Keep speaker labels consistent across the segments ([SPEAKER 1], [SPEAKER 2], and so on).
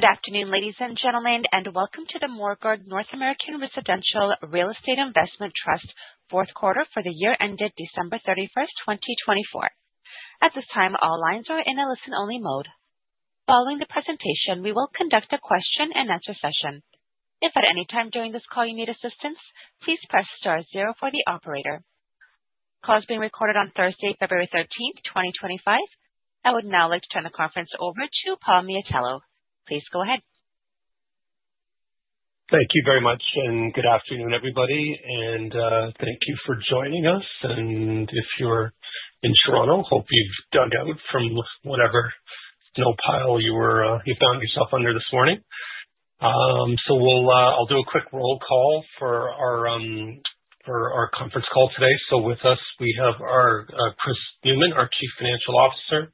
[SPEAKER 1] Good afternoon, ladies and gentlemen, and welcome to the Morguard North American Residential Real Estate Investment Trust fourth quarter for the year ended December 31st, 2024. At this time, all lines are in a listen-only mode. Following the presentation, we will conduct a question-and-answer session. If at any time during this call you need assistance, please press star zero for the operator. Call is being recorded on Thursday, February 13th, 2025. I would now like to turn the conference over to Paul Miatello. Please go ahead.
[SPEAKER 2] Thank you very much, and good afternoon, everybody. Thank you for joining us. If you're in Toronto, hope you've dug out from whatever snowpile you were, you found yourself under this morning. We'll, I'll do a quick roll call for our conference call today. With us, we have our Chris Newman, our Chief Financial Officer.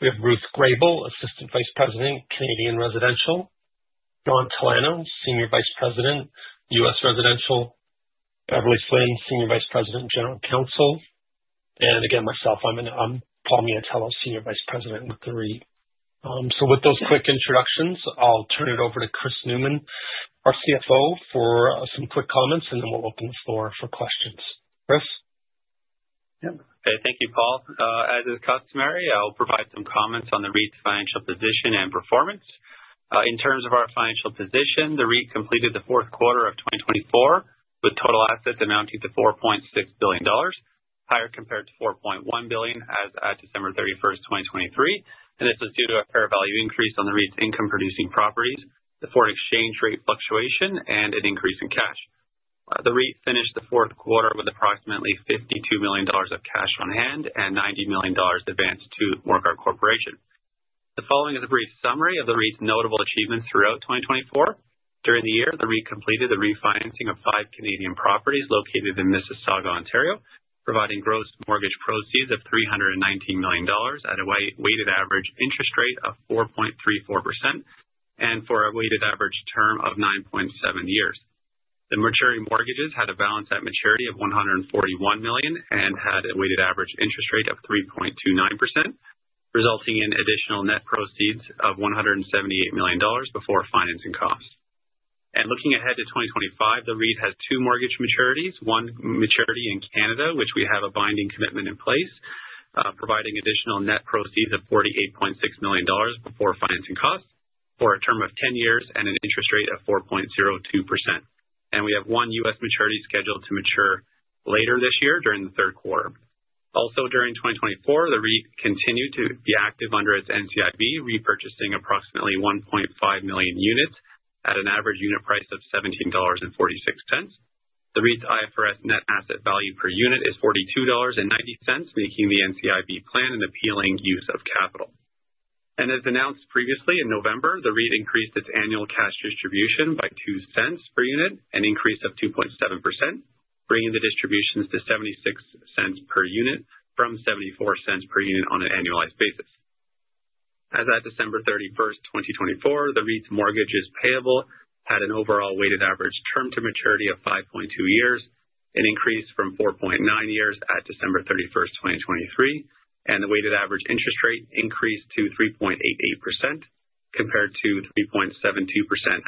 [SPEAKER 2] We have Ruth Grabel, Assistant Vice President, Canadian Residential; John Talano, Senior Vice President, US Residential; Beverley Flynn, Senior Vice President, General Counsel; and again, myself. I'm Paul Miatello, Senior Vice President with the REIT. With those quick introductions, I'll turn it over to Chris Newman, our CFO, for some quick comments, and then we'll open the floor for questions. Chris?
[SPEAKER 3] Yep. Okay. Thank you, Paul. As is customary, I'll provide some comments on the REIT's financial position and performance. In terms of our financial position, the REIT completed the fourth quarter of 2024 with total assets amounting to 4.6 billion dollars, higher compared to 4.1 billion as of December 31st, 2023. This is due to a fair value increase on the REIT's income-producing properties, the forward exchange rate fluctuation, and an increase in cash. The REIT finished the fourth quarter with approximately 52 million dollars of cash on hand and 90 million dollars advanced to Morguard Corporation. The following is a brief summary of the REIT's notable achievements throughout 2024. During the year, the REIT completed the refinancing of five Canadian properties located in Mississauga, Ontario, providing gross mortgage proceeds of 319 million dollars at a weighted average interest rate of 4.34% and for a weighted average term of 9.7 years. The maturing mortgages had a balance at maturity of 141 million and had a weighted average interest rate of 3.29%, resulting in additional net proceeds of 178 million dollars before financing costs. And looking ahead to 2025, the REIT has two mortgage maturities: one maturity in Canada, which we have a binding commitment in place, providing additional net proceeds of 48.6 million dollars before financing costs for a term of 10 years and an interest rate of 4.02%. And we have one U.S. maturity scheduled to mature later this year during the third quarter. Also, during 2024, the REIT continued to be active under its NCIB, repurchasing approximately 1.5 million units at an average unit price of 17.46 dollars. The REIT's IFRS net asset value per unit is 42.90 dollars, making the NCIB plan an appealing use of capital. As announced previously, in November, the REIT increased its annual cash distribution by 0.02 per unit, an increase of 2.7%, bringing the distributions to 0.76 per unit from 0.74 per unit on an annualized basis. As of December 31st, 2024, the REIT's mortgages payable had an overall weighted average term to maturity of 5.2 years, an increase from 4.9 years at December 31st, 2023, and the weighted average interest rate increased to 3.88% compared to 3.72%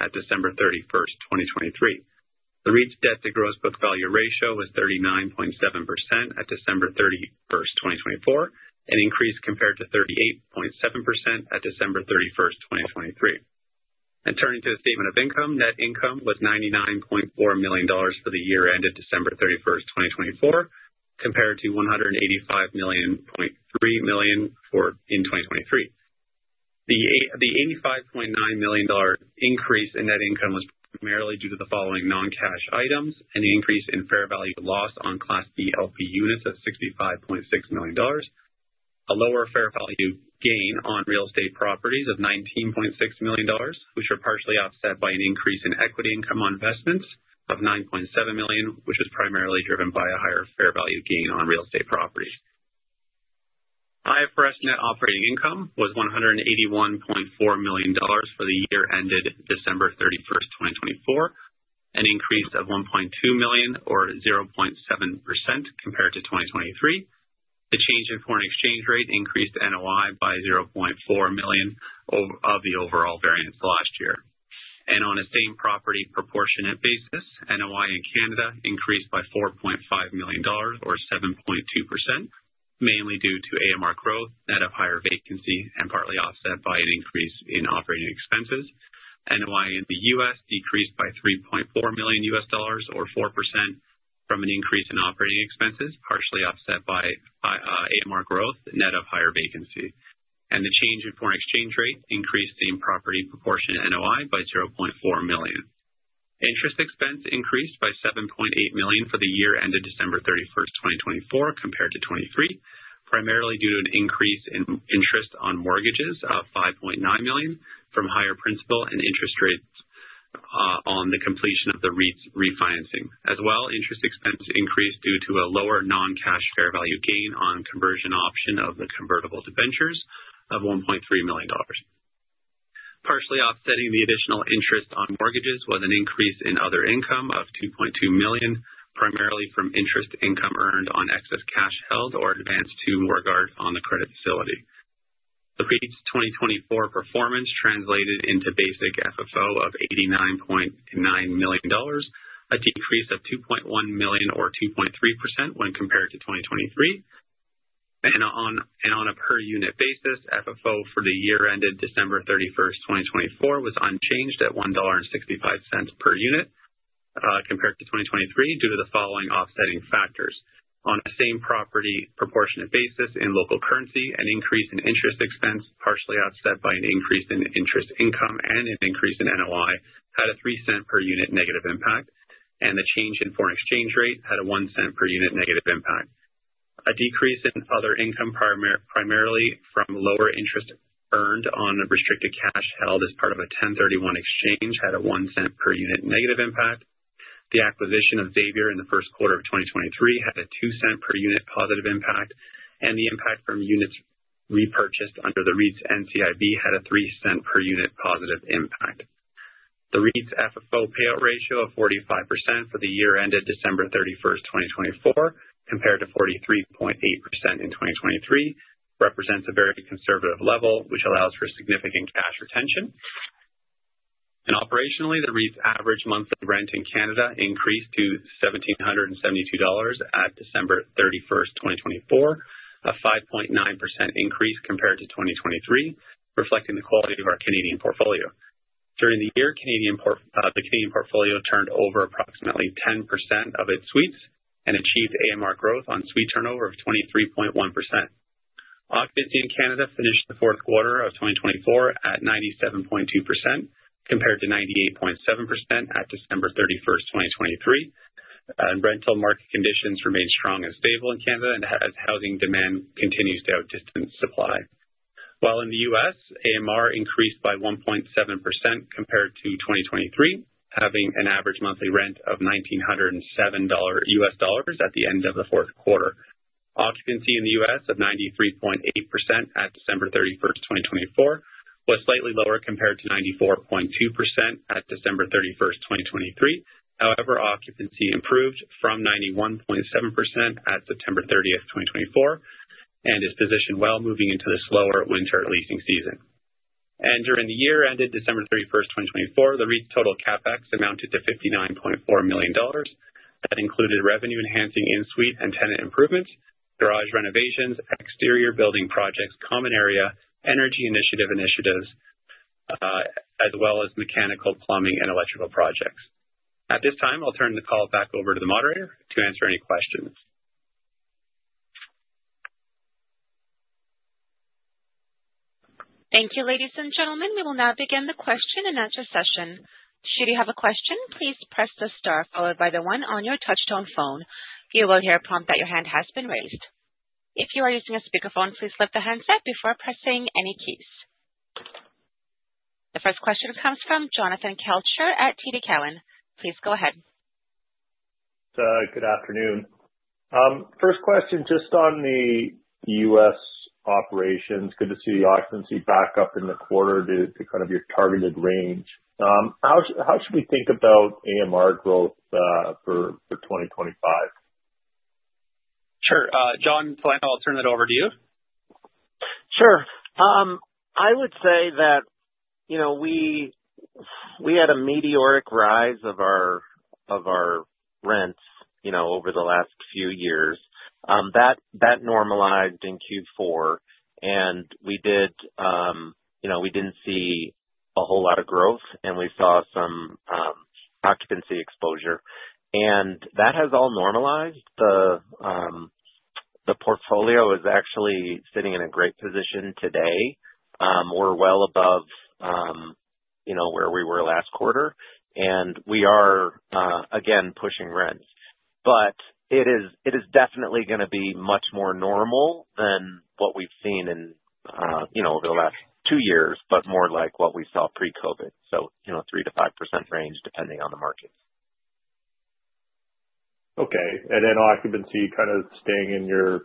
[SPEAKER 3] at December 31st, 2023. The REIT's debt-to-gross book value ratio was 39.7% at December 31st, 2024, an increase compared to 38.7% at December 31st, 2023. Turning to the statement of income, net income was 99.4 million dollars for the year ended December 31st, 2024, compared to 185.3 million for 2023. The $85.9 million increase in net income was primarily due to the following non-cash items: an increase in fair value loss on Class B LP units of 65.6 million dollars, a lower fair value gain on real estate properties of 19.6 million dollars, which were partially offset by an increase in equity income on investments of 9.7 million, which was primarily driven by a higher fair value gain on real estate properties. IFRS net operating income was 181.4 million dollars for the year ended December 31st, 2024, an increase of 1.2 million or 0.7% compared to 2023. The change in foreign exchange rate increased NOI by 0.4 million, over half of the overall variance last year, and on a same property proportionate basis, NOI in Canada increased by 4.5 million dollars or 7.2%, mainly due to AMR growth, net of higher vacancy, and partly offset by an increase in operating expenses. NOI in the US decreased by CAD 3.4 million or 4% from an increase in operating expenses, partially offset by AMR growth, net of higher vacancy. The change in foreign exchange rate increased the property proportion NOI by 0.4 million. Interest expense increased by 7.8 million for the year ended December 31st, 2024, compared to 2023, primarily due to an increase in interest on mortgages of 5.9 million from higher principal and interest rates, on the completion of the REIT's refinancing. As well, interest expense increased due to a lower non-cash fair value gain on conversion option of the convertible debentures of 1.3 million dollars. Partially offsetting the additional interest on mortgages was an increase in other income of 2.2 million, primarily from interest income earned on excess cash held or advanced to Morguard on the credit facility. The REIT's 2024 performance translated into basic FFO of 89.9 million dollars, a decrease of 2.1 million or 2.3% when compared to 2023. And on a per-unit basis, FFO for the year ended December 31st, 2024, was unchanged at 1.65 dollar per unit, compared to 2023 due to the following offsetting factors. On a same property proportionate basis in local currency, an increase in interest expense, partially offset by an increase in interest income and an increase in NOI, had a 0.03 per unit negative impact. And the change in foreign exchange rate had a 0.01 per unit negative impact. A decrease in other income primarily from lower interest earned on restricted cash held as part of a 1031 Exchange had a 0.01 per unit negative impact. The acquisition of Xavier in the first quarter of 2023 had a 0.02 per unit positive impact. The impact from units repurchased under the REIT's NCIB had a 0.03 per unit positive impact. The REIT's FFO payout ratio of 45% for the year ended December 31st, 2024, compared to 43.8% in 2023, represents a very conservative level, which allows for significant cash retention. Operationally, the REIT's average monthly rent in Canada increased to 1,772 dollars at December 31st, 2024, a 5.9% increase compared to 2023, reflecting the quality of our Canadian portfolio. During the year, the Canadian portfolio turned over approximately 10% of its suites and achieved AMR growth on suite turnover of 23.1%. Occupancy in Canada finished the fourth quarter of 2024 at 97.2% compared to 98.7% at December 31st, 2023. Rental market conditions remain strong and stable in Canada as housing demand continues to outdistance supply. While in the U.S., AMR increased by 1.7% compared to 2023, having an average monthly rent of $1,907 at the end of the fourth quarter. Occupancy in the U.S. of 93.8% at December 31st, 2024, was slightly lower compared to 94.2% at December 31st, 2023. However, occupancy improved from 91.7% at September 30th, 2024, and is positioned well moving into this lower winter leasing season. During the year ended December 31st, 2024, the REIT's total CapEx amounted to 59.4 million dollars. That included revenue-enhancing in-suite and tenant improvements, garage renovations, exterior building projects, common area, energy initiatives, as well as mechanical, plumbing, and electrical projects. At this time, I'll turn the call back over to the moderator to answer any questions.
[SPEAKER 1] Thank you, ladies and gentlemen. We will now begin the question-and-answer session. Should you have a question, please press the star followed by the one on your touchtone phone. You will hear a prompt that your hand has been raised. If you are using a speakerphone, please lift the handset before pressing any keys. The first question comes from Jonathan Kelcher at TD Cowen. Please go ahead.
[SPEAKER 4] Good afternoon. First question, just on the U.S. operations, good to see the occupancy back up in the quarter to your targeted range. How should we think about AMR growth for 2025?
[SPEAKER 3] Sure. John Talano, I'll turn it over to you.
[SPEAKER 5] Sure. I would say that, you know, we had a meteoric rise of our rents, you know, over the last few years. That normalized in Q4. You know, we didn't see a whole lot of growth, and we saw some occupancy exposure. That has all normalized. The portfolio is actually sitting in a great position today. We're well above, you know, where we were last quarter. We are, again, pushing rents. It is definitely gonna be much more normal than what we've seen in, you know, over the last two years, but more like what we saw pre-COVID. You know, 3%-5% range depending on the markets.
[SPEAKER 4] Okay, and then occupancy kind of staying in your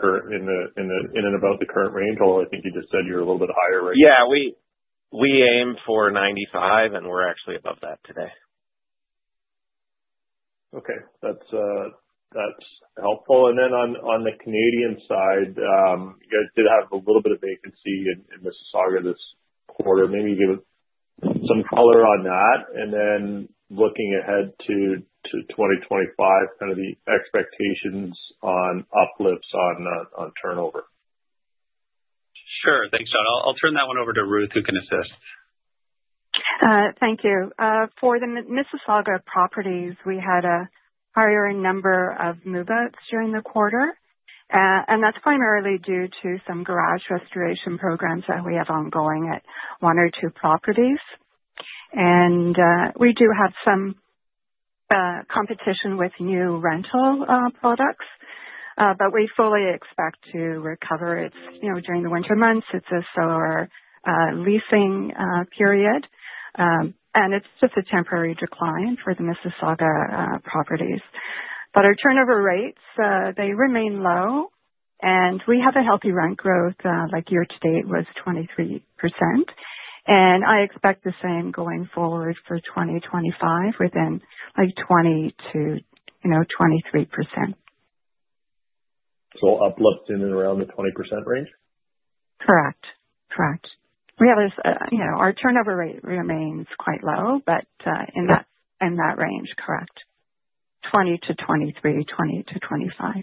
[SPEAKER 4] current, in and about the current range, although I think you just said you were a little bit higher right now.
[SPEAKER 5] Yeah. We aim for 95, and we're actually above that today.
[SPEAKER 4] Okay. That's helpful. And then on the Canadian side, you guys did have a little bit of vacancy in Mississauga this quarter. Maybe you give us some color on that. And then looking ahead to 2025, kind of the expectations on uplifts on turnover.
[SPEAKER 3] Sure. Thanks, John. I'll turn that one over to Ruth, who can assist.
[SPEAKER 6] Thank you. For the Mississauga properties, we had a higher number of move-outs during the quarter, and that's primarily due to some garage restoration programs that we have ongoing at one or two properties, and we do have some competition with new rental products, but we fully expect to recover. It's, you know, during the winter months. It's a slower leasing period, and it's just a temporary decline for the Mississauga properties. But our turnover rates, they remain low, and we have a healthy rent growth, like year to date was 23%. I expect the same going forward for 2025 within, like, 20% to, you know, 23%.
[SPEAKER 4] So uplift in and around the 20% range?
[SPEAKER 6] Correct. Correct. We have this, you know, our turnover rate remains quite low, but in that range. Correct. 20-23, 20-25.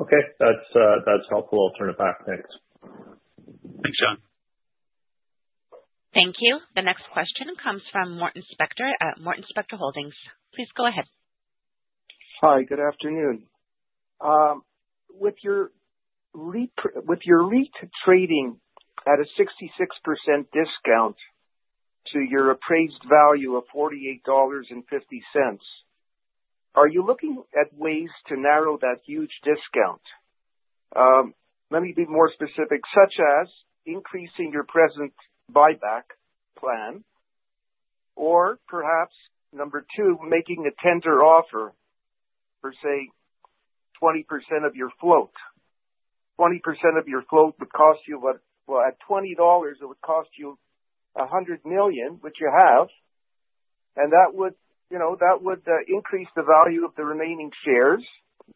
[SPEAKER 4] Okay. That's, that's helpful. I'll turn it back. Thanks.
[SPEAKER 3] Thanks, John.
[SPEAKER 1] Thank you. The next question comes from Morton Spector at Morton Spector Holdings. Please go ahead.
[SPEAKER 7] Hi. Good afternoon. With your REIT, with your REIT trading at a 66% discount to your appraised value of 48.50 dollars, are you looking at ways to narrow that huge discount? Let me be more specific, such as increasing your present buyback plan, or perhaps number two, making a tender offer for, say, 20% of your float. 20% of your float would cost you what, well, at 20 dollars, it would cost you 100 million, which you have. And that would, you know, that would, increase the value of the remaining shares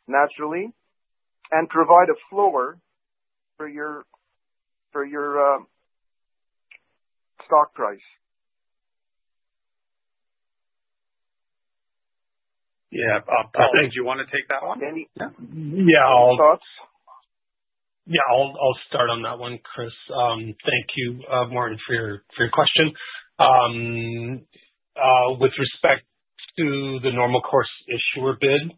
[SPEAKER 7] naturally and provide a floor for your, for your, stock price.
[SPEAKER 3] Yeah. Paul, did you want to take that one?
[SPEAKER 4] Any?
[SPEAKER 3] Yeah.
[SPEAKER 4] Yeah. I'll.
[SPEAKER 3] Thoughts? Yeah. I'll start on that one, Chris. Thank you, Morton, for your question. With respect to the Normal Course Issuer Bid,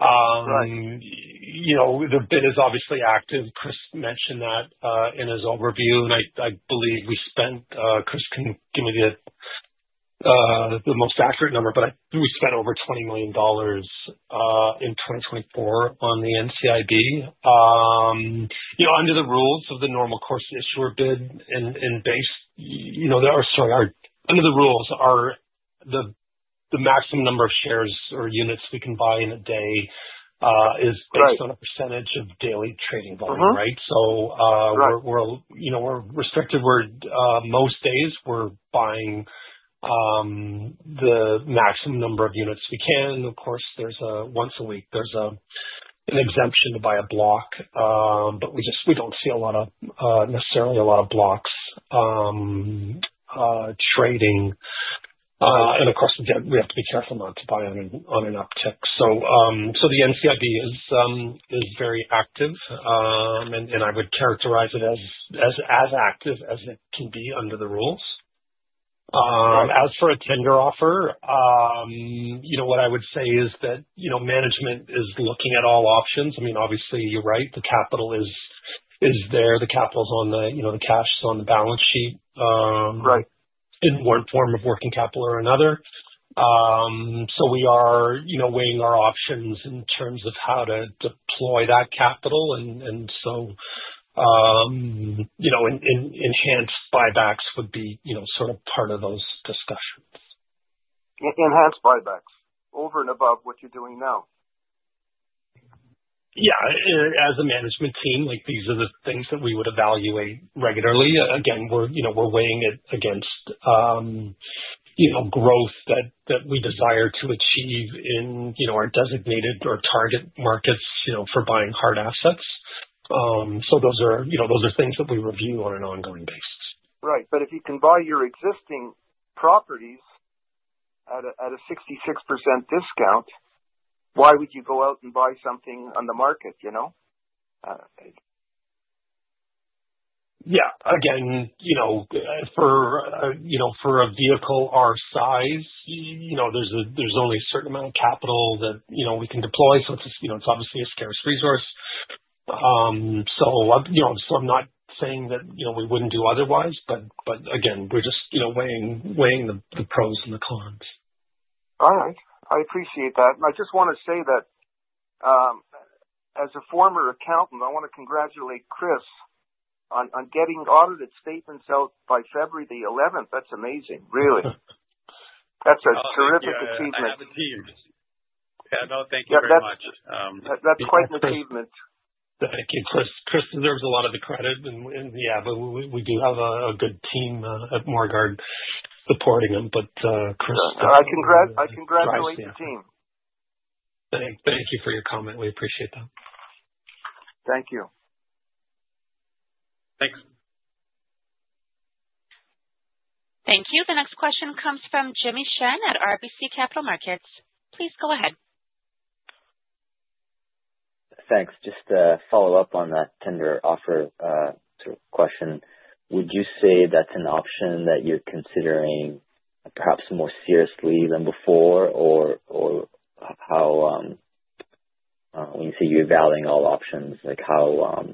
[SPEAKER 3] Right.
[SPEAKER 4] You know, the bid is obviously active. Chris mentioned that in his overview, and I believe we spent. Chris can give me the most accurate number, but I think we spent over 20 million dollars in 2024 on the NCIB. You know, under the rules of the normal course issuer bid and based, you know, or sorry, under the rules, the maximum number of shares or units we can buy in a day is based on a percentage of daily trading volume, right? So, you know, we're restricted. Most days, we're buying the maximum number of units we can. Of course, there's once a week an exemption to buy a block. But we just don't see necessarily a lot of blocks trading. And of course, we have to be careful not to buy on an uptick. So the NCIB is very active. And I would characterize it as active as it can be under the rules.
[SPEAKER 3] Right.
[SPEAKER 4] As for a tender offer, you know, what I would say is that, you know, management is looking at all options. I mean, obviously, you're right. The capital is there. The capital's on the, you know, the cash's on the balance sheet.
[SPEAKER 3] Right.
[SPEAKER 4] In one form of working capital or another. So we are, you know, weighing our options in terms of how to deploy that capital. And so, you know, enhanced buybacks would be, you know, sort of part of those discussions. Enhanced buybacks over and above what you're doing now?
[SPEAKER 3] Yeah. As a management team, like, these are the things that we would evaluate regularly. Again, we're, you know, we're weighing it against, you know, growth that we desire to achieve in, you know, our designated or target markets, you know, for buying hard assets. So those are, you know, those are things that we review on an ongoing basis. Right. But if you can buy your existing properties at a 66% discount, why would you go out and buy something on the market, you know? Yeah. Again, you know, for a vehicle our size, you know, there's only a certain amount of capital that, you know, we can deploy. So it's, you know, obviously a scarce resource. So I'm, you know, not saying that, you know, we wouldn't do otherwise. But again, we're just, you know, weighing the pros and the cons. All right. I appreciate that. I just want to say that, as a former accountant, I want to congratulate Chris on, on getting audited statements out by February the 11th. That's amazing, really. That's a terrific achievement. Yeah. No, thank you very much.
[SPEAKER 4] Yeah. That's, that's quite an achievement.
[SPEAKER 3] Thank you, Chris. Chris deserves a lot of the credit. And yeah, but we do have a good team at Morguard supporting him. But, Chris.
[SPEAKER 4] I congratulate the team.
[SPEAKER 3] Thank you. Thank you for your comment. We appreciate that. Thank you. Thanks.
[SPEAKER 1] Thank you. The next question comes from Jimmy Shan at RBC Capital Markets. Please go ahead.
[SPEAKER 7] Thanks. Just to follow up on that tender offer, sort of question, would you say that's an option that you're considering perhaps more seriously than before? Or, or how, when you say you're valuing all options, like, how,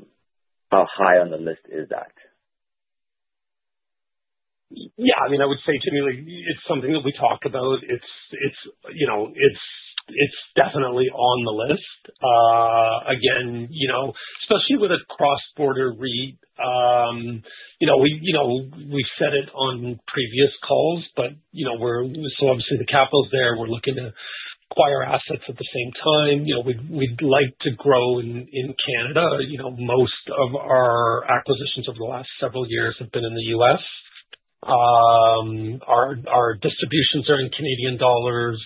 [SPEAKER 7] how high on the list is that?
[SPEAKER 3] Yeah. I mean, I would say, Jimmy, like, it's something that we talk about. It's, it's, you know, it's, it's definitely on the list. Again, you know, especially with a cross-border REIT, you know, we, you know, we've said it on previous calls, but, you know, we're so obviously the capital's there. We're looking to acquire assets at the same time. You know, we'd, we'd like to grow in, in Canada. You know, most of our acquisitions over the last several years have been in the U.S. Our, our distributions are in Canadian dollars.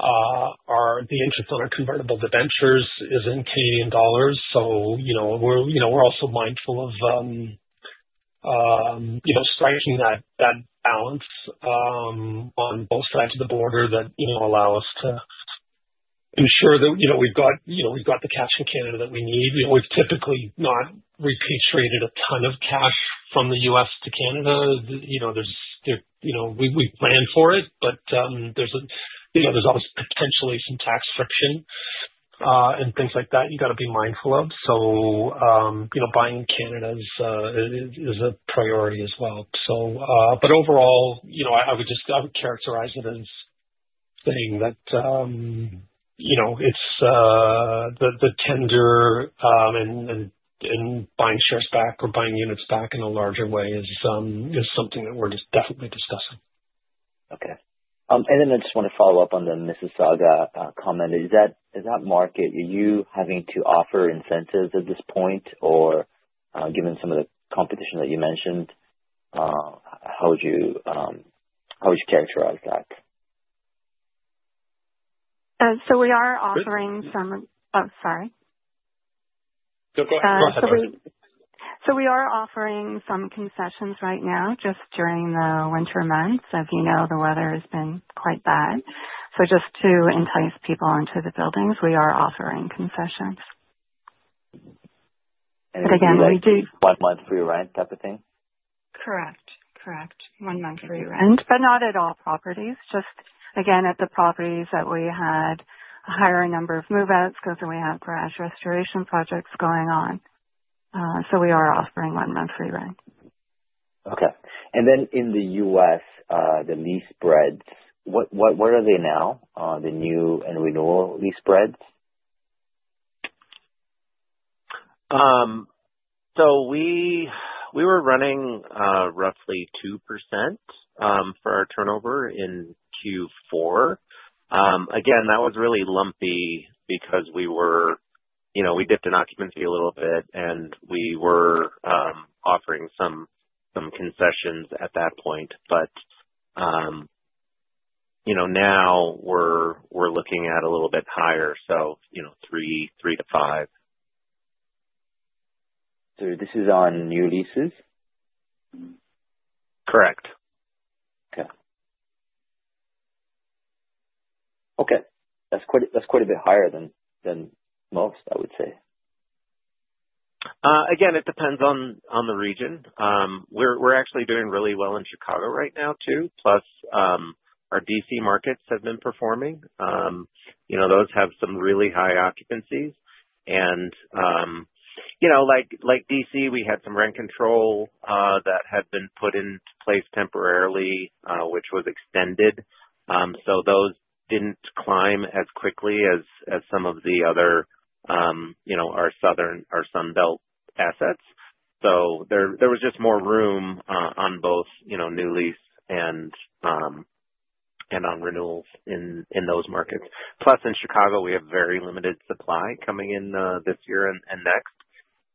[SPEAKER 3] Our, the interest on our convertible debentures is in Canadian dollars. So, you know, we're, you know, we're also mindful of, you know, striking that, that balance, on both sides of the border that, you know, allow us to ensure that, you know, we've got, you know, we've got the cash in Canada that we need. You know, we've typically not repatriated a ton of cash from the U.S. to Canada. You know, we plan for it, but there's always potentially some tax friction, and things like that you gotta be mindful of. So, you know, buying in Canada is a priority as well. But overall, you know, I would just characterize it as saying that, you know, it's the tender and buying shares back or buying units back in a larger way is something that we're just definitely discussing.
[SPEAKER 7] Okay, and then I just want to follow up on the Mississauga comment. Is that, is that market, are you having to offer incentives at this point? Or, given some of the competition that you mentioned, how would you, how would you characterize that?
[SPEAKER 6] So we are offering some of. Oh, sorry.
[SPEAKER 3] No, go ahead. Go ahead, Ruth.
[SPEAKER 6] So we are offering some concessions right now just during the winter months. As you know, the weather has been quite bad. So just to entice people into the buildings, we are offering concessions. But again, we do.
[SPEAKER 7] One-month free rent type of thing?
[SPEAKER 6] Correct. Correct. One-month free rent, but not at all properties. Just, again, at the properties that we had a higher number of move-outs because we have garage restoration projects going on, so we are offering one-month free rent.
[SPEAKER 7] Okay. And then in the U.S., the lease spreads, what are they now, the new and renewal lease spreads?
[SPEAKER 3] So we were running roughly 2% for our turnover in Q4. Again, that was really lumpy because we, you know, we dipped in occupancy a little bit, and we were offering some concessions at that point. But, you know, now we're looking at a little bit higher. So, you know, 3%-5%.
[SPEAKER 7] So this is on new leases?
[SPEAKER 3] Correct.
[SPEAKER 7] Okay. That's quite a bit higher than most, I would say.
[SPEAKER 3] Again, it depends on the region. We're actually doing really well in Chicago right now too, plus our DC markets have been performing. You know, those have some really high occupancies and you know, like DC, we had some rent control that had been put into place temporarily, which was extended, so those didn't climb as quickly as some of the other, you know, our southern, our Sunbelt assets, so there was just more room on both, you know, new lease and on renewals in those markets. Plus, in Chicago, we have very limited supply coming in this year and next,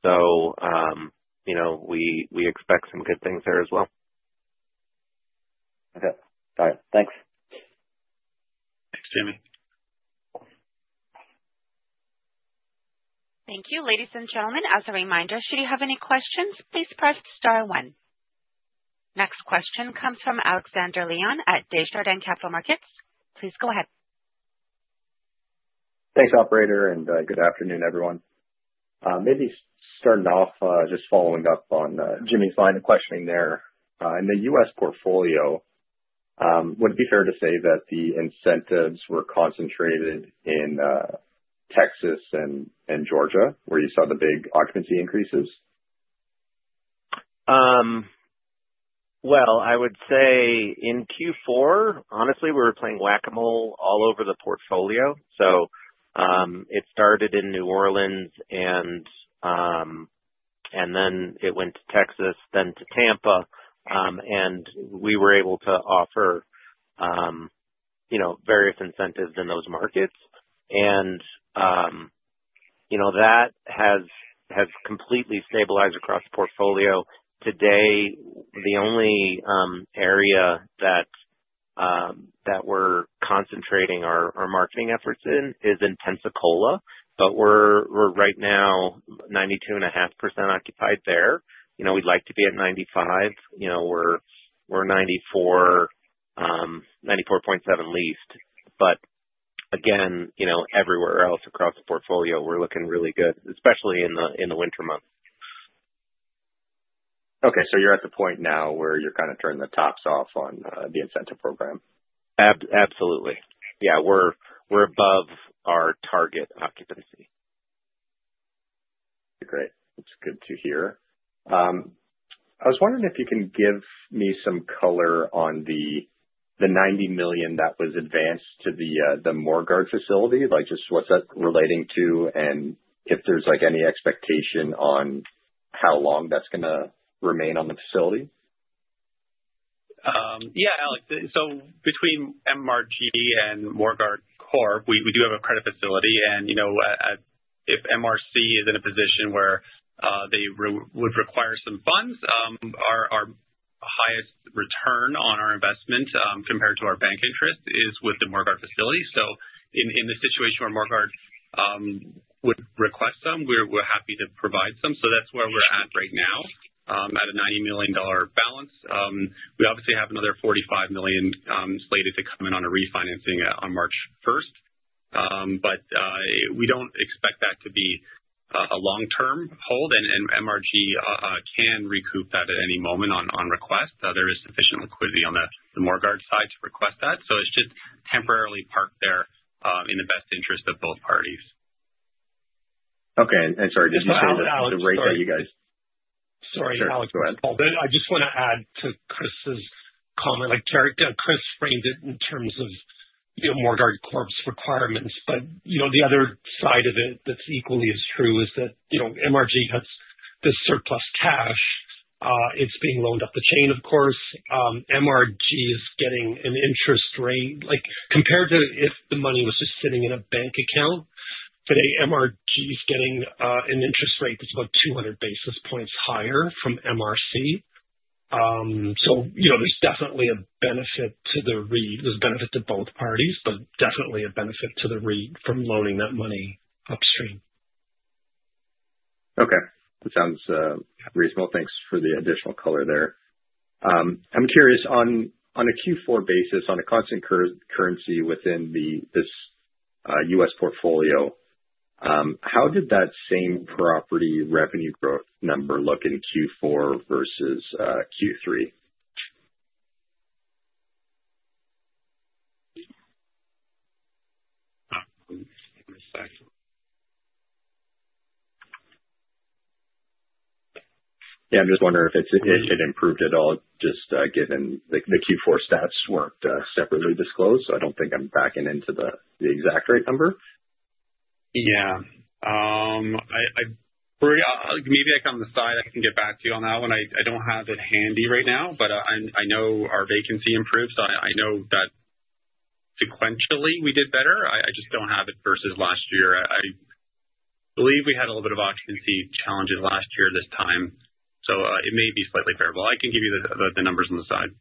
[SPEAKER 3] so you know, we expect some good things there as well.
[SPEAKER 7] Okay. All right. Thanks.
[SPEAKER 3] Thanks, Jimmy.
[SPEAKER 1] Thank you. Ladies and gentlemen, as a reminder, should you have any questions, please press star one. Next question comes from Alexander Leon at Desjardins Capital Markets. Please go ahead.
[SPEAKER 7] Thanks, operator. And good afternoon, everyone. Maybe starting off, just following up on Jimmy's line of questioning there. In the US portfolio, would it be fair to say that the incentives were concentrated in Texas and Georgia where you saw the big occupancy increases?
[SPEAKER 3] Well, I would say in Q4, honestly, we were playing whack-a-mole all over the portfolio. So, it started in New Orleans and then it went to Texas, then to Tampa, and we were able to offer, you know, various incentives in those markets. And, you know, that has completely stabilized across the portfolio. Today, the only area that we're concentrating our marketing efforts in is in Pensacola. But we're right now 92.5% occupied there. You know, we'd like to be at 95%. You know, we're 94, 94.7 leased. But again, you know, everywhere else across the portfolio, we're looking really good, especially in the winter months.
[SPEAKER 7] Okay. So you're at the point now where you're kind of turning the taps off on the incentive program?
[SPEAKER 3] Absolutely. Yeah. We're above our target occupancy.
[SPEAKER 7] Okay. Great. That's good to hear. I was wondering if you can give me some color on the 90 million that was advanced to the Morguard facility, like, just what's that relating to and if there's, like, any expectation on how long that's gonna remain on the facility?
[SPEAKER 3] Yeah, Alex. So between MRG and Morguard Corp, we do have a credit facility. And you know, if MRC is in a position where they would require some funds, our highest return on our investment, compared to our bank interest is with the Morguard facility. So in the situation where Morguard would request some, we're happy to provide some. So that's where we're at right now, at a 90 million dollar balance. We obviously have another 45 million, slated to come in on a refinancing, on March 1st. But we don't expect that to be a long-term hold. And MRG can recoup that at any moment on request. There is sufficient liquidity on the Morguard side to request that. So it's just temporarily parked there, in the best interest of both parties.
[SPEAKER 7] Okay. And sorry, just to say that.
[SPEAKER 3] No, no, no, Alex.
[SPEAKER 8] The rate that you guys.
[SPEAKER 3] Sorry, Alex.
[SPEAKER 8] Go ahead.
[SPEAKER 3] But I just want to add to Chris's comment. Like, Derek, Chris framed it in terms of, you know, Morguard Corp's requirements. But, you know, the other side of it that's equally as true is that, you know, MRG has the surplus cash. It's being loaned up the chain, of course. MRG is getting an interest rate, like, compared to if the money was just sitting in a bank account today, MRG is getting an interest rate that's about 200 basis points higher from MRC. So, you know, there's definitely a benefit to the REIT. There's benefit to both parties, but definitely a benefit to the REIT from loaning that money upstream.
[SPEAKER 7] Okay. That sounds reasonable. Thanks for the additional color there. I'm curious, on a Q4 basis, on a constant currency within this U.S. portfolio, how did that same property revenue growth number look in Q4 versus Q3?
[SPEAKER 3] Give me a sec.
[SPEAKER 7] Yeah. I'm just wondering if it's improved at all just given the Q4 stats weren't separately disclosed. So I don't think I'm backing into the exact right number.
[SPEAKER 3] Yeah. I, like, maybe I can on the side. I can get back to you on that one. I don't have it handy right now, but I know our vacancy improved. So I know that sequentially we did better. I just don't have it versus last year. I believe we had a little bit of occupancy challenges last year this time. So it may be slightly variable. I can give you the numbers on the side.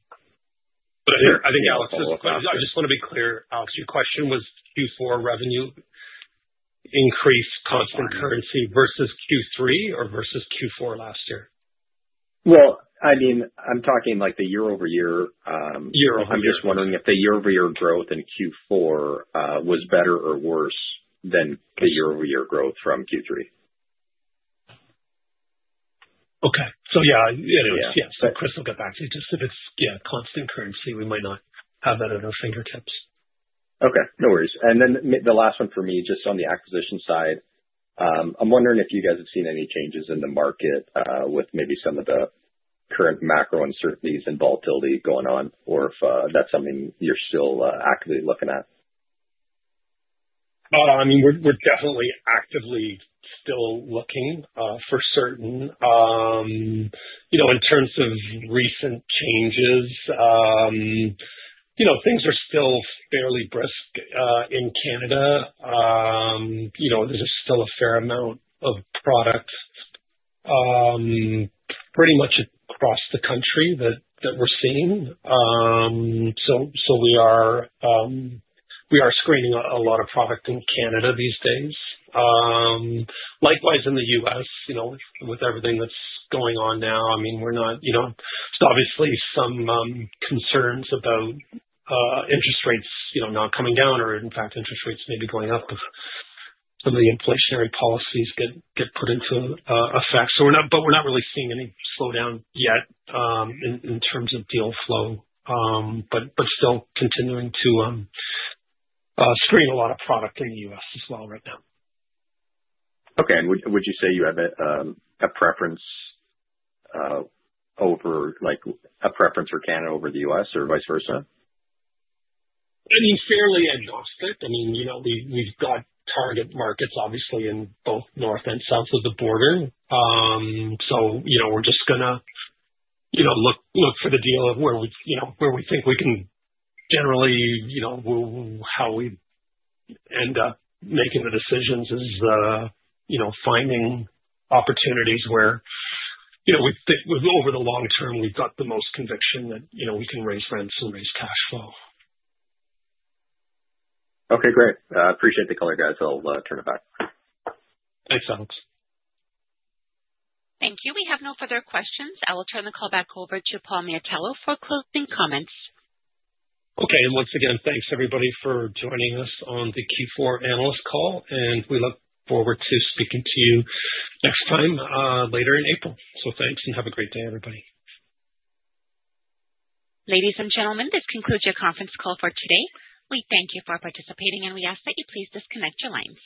[SPEAKER 2] But here, I think Alex is clear. I just want to be clear, Alex. Your question was Q4 revenue increase, constant currency versus Q3 or versus Q4 last year?
[SPEAKER 8] I mean, I'm talking like the year-over-year,
[SPEAKER 2] Year-over-year.
[SPEAKER 8] I'm just wondering if the year-over-year growth in Q4 was better or worse than the year-over-year growth from Q3.
[SPEAKER 2] Okay. So yeah, yeah, it was.
[SPEAKER 3] Yeah.
[SPEAKER 2] Yes. So Chris will get back to you just if it's, yeah, constant currency. We might not have that at our fingertips.
[SPEAKER 7] Okay. No worries. And then the last one for me, just on the acquisition side, I'm wondering if you guys have seen any changes in the market, with maybe some of the current macro uncertainties and volatility going on, or if that's something you're still actively looking at?
[SPEAKER 2] I mean, we're definitely actively still looking, for certain. You know, in terms of recent changes, you know, things are still fairly brisk in Canada. You know, there's still a fair amount of product pretty much across the country that we're seeing. So we are screening a lot of product in Canada these days. Likewise in the US, you know, with everything that's going on now, I mean, we're not, you know, just obviously some concerns about interest rates, you know, not coming down or, in fact, interest rates maybe going up if some of the inflationary policies get put into effect. So we're not, but we're not really seeing any slowdown yet in terms of deal flow. But still continuing to screen a lot of product in the US as well right now.
[SPEAKER 7] Okay. And would you say you have a preference for Canada over the U.S. or vice versa?
[SPEAKER 2] I mean, fairly agnostic. I mean, you know, we've got target markets, obviously, in both north and south of the border. So, you know, we're just gonna, you know, look for the deals where we, you know, where we think we can generally, you know, how we end up making the decisions is, you know, finding opportunities where, you know, we think over the long term, we've got the most conviction that, you know, we can raise rents and raise cash flow.
[SPEAKER 7] Okay. Great. Appreciate the call, you guys. I'll turn it back.
[SPEAKER 2] Thanks, Alex.
[SPEAKER 1] Thank you. We have no further questions. I will turn the call back over to Paul Miatello for closing comments.
[SPEAKER 2] Okay. And once again, thanks everybody for joining us on the Q4 analyst call. And we look forward to speaking to you next time, later in April. So thanks and have a great day, everybody.
[SPEAKER 1] Ladies and gentlemen, this concludes your conference call for today. We thank you for participating, and we ask that you please disconnect your lines.